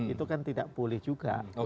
itu kan tidak boleh juga